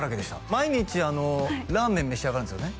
毎日ラーメン召し上がるんですよね？